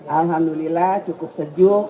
alhamdulillah cukup sejuk